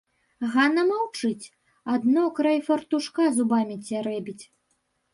Ганна маўчыць, адно край фартушка зубамі цярэбіць.